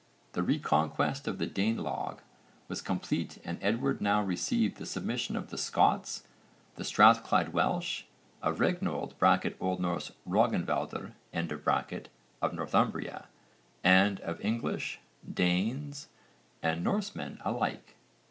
The reconquest of the Danelagh was complete and Edward now received the submission of the Scots, the Strathclyde Welsh, of Regnold (O.N. Rögnvaldr) of Northumbria, and of English, Danes and Norsemen alike.